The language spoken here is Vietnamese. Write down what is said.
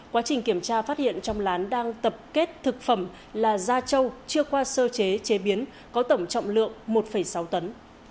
quá trình kiểm tra phát hiện trong lán đang tập kết thực phẩm là gia châu chưa qua sơ chế chế biến có tổng trọng lượng một sáu tấn